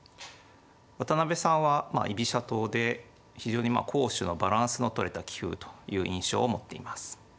渡辺さんはまあ居飛車党で非常に攻守のバランスのとれた棋風という印象を持っています。